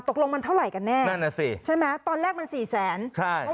ตกลงมันเท่าไหร่กันแน่นั่นน่ะสิใช่ไหมตอนแรกมันสี่แสนใช่